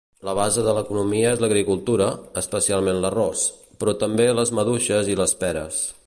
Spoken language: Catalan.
La base de l'economia és l'agricultura, especialment l'arròs, però també les maduixes i les peres.